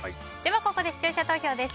ここで視聴者投票です。